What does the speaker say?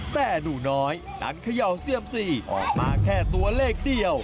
แต่หนูน้อยดันเขย่าเซียมซีออกมาแค่ตัวเลขเดียว